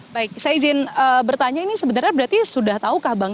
baik saya izin bertanya ini sebenarnya berarti sudah tahukah bang